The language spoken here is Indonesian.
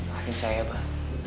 pakai saya mbah